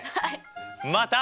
また！